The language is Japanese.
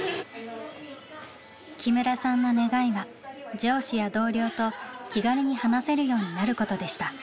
木村さんの願いは上司や同僚と気軽に話せるようになることでした。